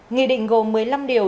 nghị định gồm một mươi năm điều